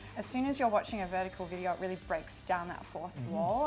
karena sebaik saja anda menonton video berbeda itu benar benar membuat ruang yang berbeda